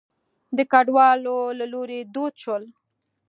د کډوالو له لوري دود شول.